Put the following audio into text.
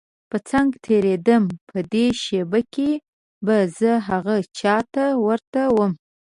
په څنګ تېرېدم په دې شېبه کې به زه هغه چا ته ورته وم.